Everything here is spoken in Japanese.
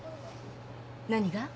何が？